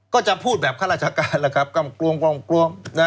ก็จะพูดแบบข้าราชการล่ะครับกล้มกล้มกล้มกล้ม